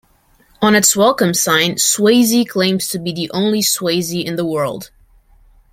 On its welcome sign, Swayzee claims to be the only Swayzee in the world.